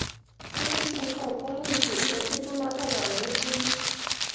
边沁后功利主义的最重要代表人物之一。